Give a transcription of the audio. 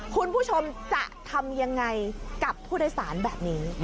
คุณผู้ชมจะทำยังไงกับผู้โดยสารแบบนี้